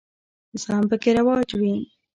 زغم پکې رواج وي.